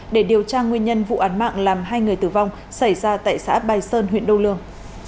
để điều tra nguyên nhân vụ án mạng làm hai người tử vong xảy ra tại xã bài sơn huyện đô lương